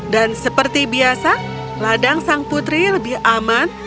dan seperti biasa ladang sang putri lebih aman